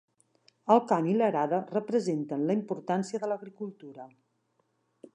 El camp i l'arada representen la importància de l'agricultura.